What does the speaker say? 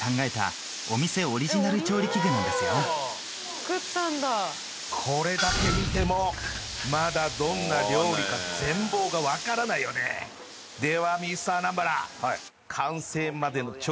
作ったんだこれだけ見てもまだどんな料理か全貌がわからないよねではミスター南原